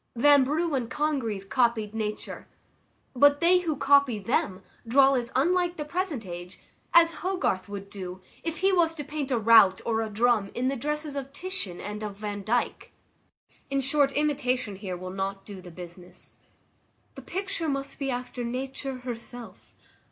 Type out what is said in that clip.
Vanbrugh and Congreve copied nature; but they who copy them draw as unlike the present age as Hogarth would do if he was to paint a rout or a drum in the dresses of Titian and of Vandyke. In short, imitation here will not do the business. The picture must be after Nature herself.